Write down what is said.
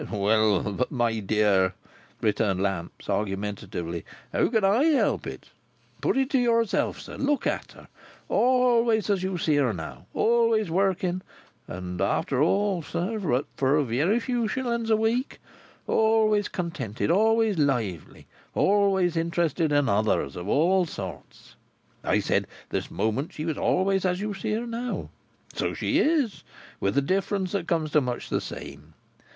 "Well! but my dear," returned Lamps argumentatively, "how can I help it? Put it to yourself, sir. Look at her. Always as you see her now. Always working—and after all, sir, for but a very few shillings a week—always contented, always lively, always interested in others, of all sorts. I said, this moment, she was always as you see her now. So she is, with a difference that comes to much the same.